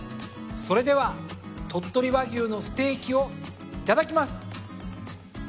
それでは鳥取和牛のステーキをいただきます。